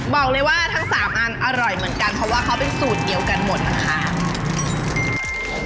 บอกเลยว่าทั้ง๓อันอร่อยเหมือนกันเพราะว่าเขาเป็นสูตรเดียวกันหมดนะคะ